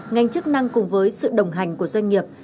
ngành chức năng cùng với sự đồng hành của doanh nghiệp